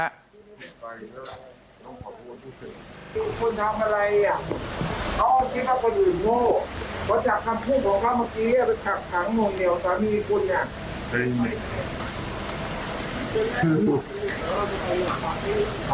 เขาก็เป็นห่วงค่ะก็กลัวพูดอะไรเห็นไปแล้วต้องขอบคุณผู้เศรษฐ์